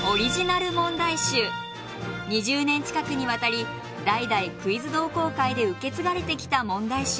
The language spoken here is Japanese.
２０年近くにわたり代々クイズ同好会で受け継がれてきた問題集。